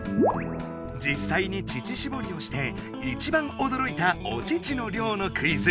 じっさいに乳しぼりをしていちばんおどろいた「お乳の量」のクイズ！